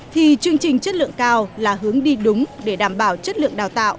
thì chương trình chất lượng cao là hướng đi đúng để đảm bảo chất lượng đào tạo